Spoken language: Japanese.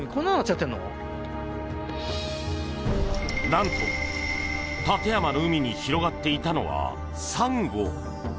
なんと館山の海に広がっていたのはサンゴ。